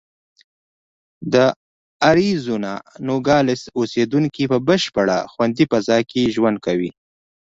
د اریزونا نوګالس اوسېدونکي په بشپړه خوندي فضا کې ژوند کوي.